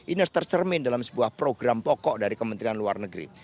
ini harus tercermin dalam sebuah program pokok dari kementerian luar negeri